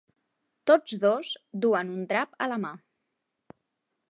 Tots dos duen un drap a la mà.